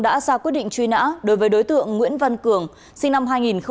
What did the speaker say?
đã ra quyết định truy nã đối với đối tượng nguyễn văn cường sinh năm hai nghìn